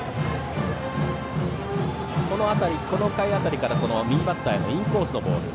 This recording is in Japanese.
この回辺りから右バッターへのインコースのボール。